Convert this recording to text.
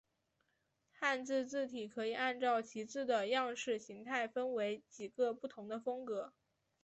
汉字字体可以按照其字的样式形态分成几个不同的风格。